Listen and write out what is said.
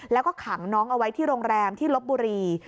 แล้วก็ขังน้องเอาไว้ที่โรงแรมที่ลบบุรี